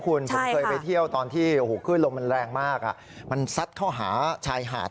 คุณผมเคยไปเที่ยวตอนที่ขึ้นลมมันแรงมากมันซัดเข้าหาชายหาด